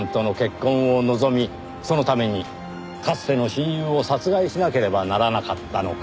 そのためにかつての親友を殺害しなければならなかったのか。